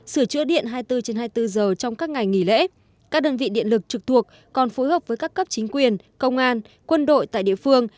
sửa chữa điện hai mươi bốn trên hai mươi bốn giờ trong các ngày nghỉ lễ các đơn vị điện lực trực thuộc còn phối hợp với các cấp chính quyền công an quân đội tại địa phương